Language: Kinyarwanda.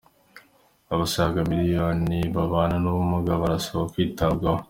Abasaga miliyoni babana n’ubumuga barasaba kwitabwaho